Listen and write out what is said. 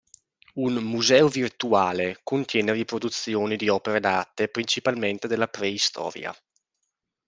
Un "museo virtuale" contiene riproduzioni di opere d'arte principalmente della preistoria.